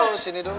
ya duduk sini neng